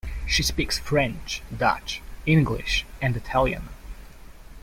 She speaks French, Dutch, English and Italian.